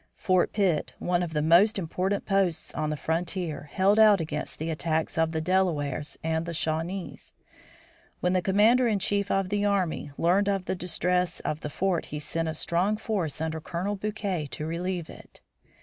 Fort Pitt, one of the most important posts on the frontier, held out against the attacks of the Delawares and the Shawnees. When the commander in chief of the army learned of the distress of the fort he sent a strong force under Colonel Bouquet to relieve it.